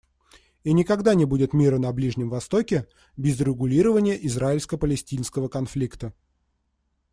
И никогда не будет мира на Ближнем Востоке без урегулирования израильско-палестинского конфликта.